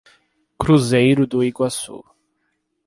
Cruzeiro do Iguaçu